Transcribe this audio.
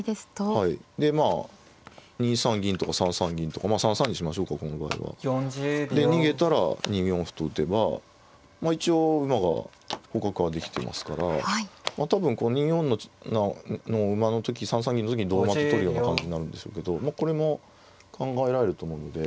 はいでまあ２三銀とか３三銀とかまあ３三にしましょうかこの場合は。で逃げたら２四歩と打てば一応馬が捕獲はできてますから多分２四の馬の時３三銀の時に同馬と取るような感じになるんでしょうけどこれも考えられると思うので。